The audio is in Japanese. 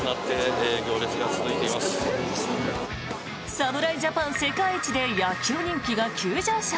侍ジャパン世界一で野球人気が急上昇。